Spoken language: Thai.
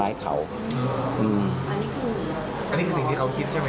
อันนี้คือสิ่งที่เขาคิดใช่ไหม